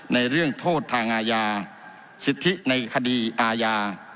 ในเรื่องโทษทางอาญาสิทธิในคดีอาญา